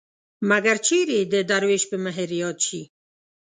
مګر چېرې د دروېش په مهر ياد شي